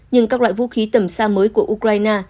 nhưng các loại vũ khí tầm xa mới của ukraine